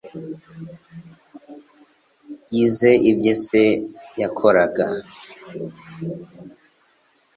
ize ibyo se yakoraga.